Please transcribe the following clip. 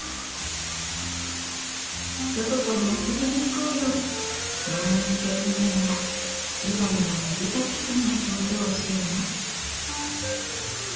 どこかに遊びに行こうよ！なんて言いながら今にも飛び立ちそうな表情をしています。